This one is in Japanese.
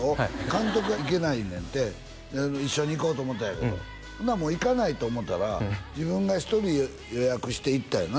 監督が行けないねんって一緒に行こうと思ったんやけどならもう行かないと思ったら自分が一人で予約して行ったんやな